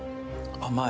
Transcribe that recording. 甘い？